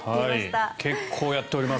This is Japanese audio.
結構やっております。